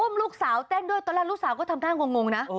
ลูกสาวเต้นด้วยตอนแรกลูกสาวก็ทำท่างงนะ